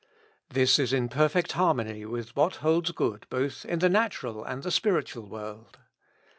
This is in perfect harmony with what holds good both in the natural and the spiritual world.